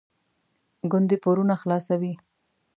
ګوندې پورونه خلاصوي.